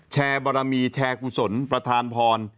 แชร์บารมีแชร์ผู้สนประธานพร